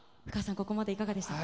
ここまでいかがでしたか。